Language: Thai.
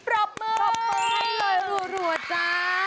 ปรบมือให้เลยหัวจ้า